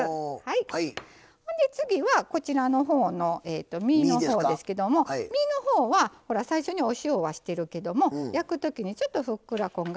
ほんで次はこちらのほうの身のほうですけども身のほうはほら最初にお塩はしてるけども焼くときにちょっとふっくらこんがり焼けるように